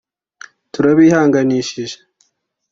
turabihanganishije